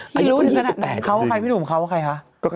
ให้รู้ในข้าวไงพี่หนูคนเขาเขาว่าใครคะ